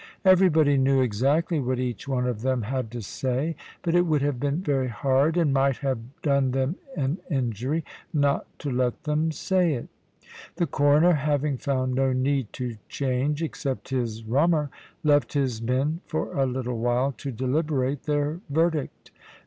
Everybody knew exactly what each one of them had to say. But it would have been very hard, and might have done them an injury, not to let them say it. The Coroner, having found no need to charge (except his rummer), left his men for a little while to deliberate their verdict.